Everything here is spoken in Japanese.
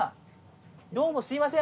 どうもすいません。